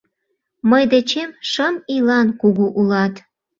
Мый дечем шым ийлан кугу улат.